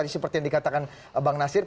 seperti yang dikatakan bang nasir